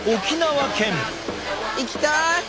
行きたい！